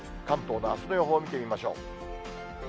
関東のあすの予報を見てみましょう。